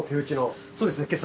そうですね。